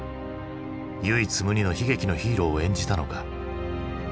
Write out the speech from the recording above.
唯一無二の悲劇のヒーローを演じたのか。